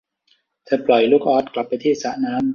เธอปล่อยลูกอ๊อดกลับไปที่สระน้ำ